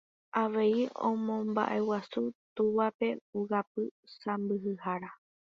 Avei omombaʼeguasu túvape ogapy sãmbyhára.